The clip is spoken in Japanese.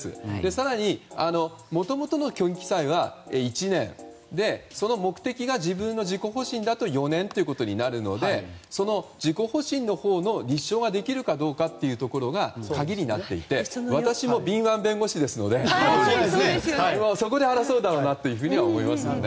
更に、もともとの虚偽記載は１年で、その目的が自分の自己保身だと４年ということになるので自己保身のほうの立証ができるかというところが鍵になっていて私も敏腕弁護士ですのでそこで争うだろうなとは思いますね。